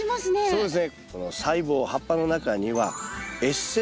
そうです。